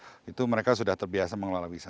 tanah laut itu mereka sudah terbiasa mengelola wisata